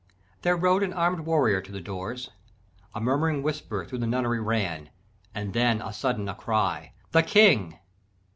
There rode an armed warrior to the doors, A murmuring whisper thro' the nunnery ran, Then on a sudden a cry, 'The King.'